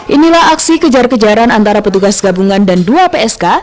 inilah aksi kejar kejaran antara petugas gabungan dan dua psk